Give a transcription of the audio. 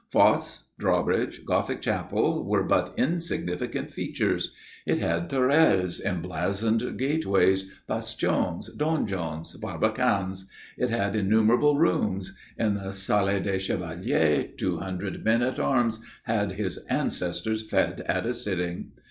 Fosse, drawbridge, Gothic chapel were but insignificant features. It had tourelles, emblazoned gateways, bastions, donjons, barbicans; it had innumerable rooms; in the salle des chevaliers two hundred men at arms had his ancestors fed at a sitting.